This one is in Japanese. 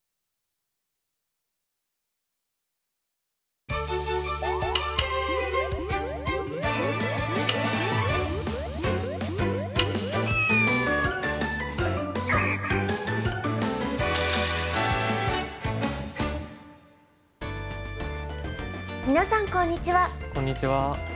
こんにちは。